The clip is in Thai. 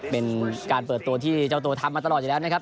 เป็นการเปิดตัวที่เจ้าตัวทำมาตลอดอยู่แล้วนะครับ